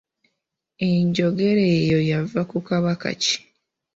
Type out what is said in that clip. Enjogera eyo yava ku Kabaka ki?